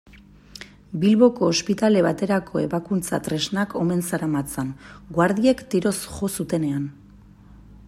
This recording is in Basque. Bilboko ospitale baterako ebakuntza-tresnak omen zeramatzan, guardiek tiroz jo zutenean.